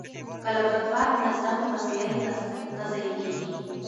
که لابراتوار منظم وي، وسایل نه ضایع کېږي.